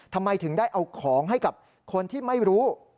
ทำไมถึงได้เอาของให้กับคนที่ไม่รู้